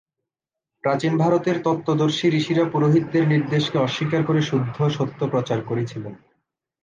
প্রাচীন ভারতের তত্ত্বদর্শী ঋষিরা পুরোহিতদের নির্দেশকে অস্বীকার করে শুদ্ধ সত্য প্রচার করেছিলেন।